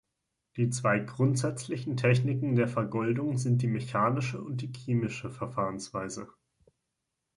Die zwei grundsätzlichen Techniken der Vergoldung sind die "mechanische" und die "chemische" Verfahrensweise.